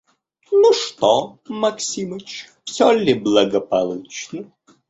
Ну, что, Максимыч, все ли благополучно?»